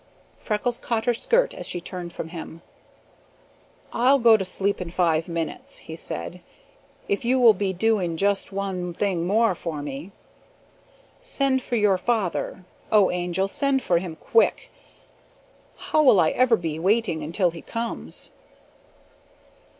Freckles caught her skirt as she turned from him. "I'll go to sleep in five minutes," he said, "if you will be doing just one thing more for me. Send for your father! Oh, Angel, send for him quick! How will I ever be waiting until he comes?"